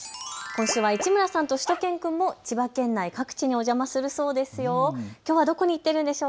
今週は市村さんとしゅと犬くん千葉県内各地にお邪魔するそうですよ。